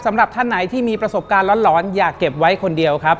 สำหรับท่านไหนที่มีประสบการณ์ร้อนอย่าเก็บไว้คนเดียวครับ